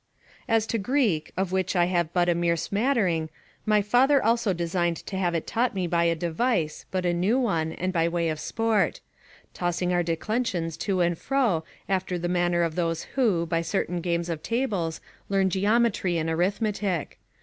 As to Greek, of which I have but a mere smattering, my father also designed to have it taught me by a device, but a new one, and by way of sport; tossing our declensions to and fro, after the manner of those who, by certain games of tables, learn geometry and arithmetic.